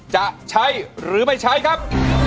จะใช้หรือไม่ใช้ครับ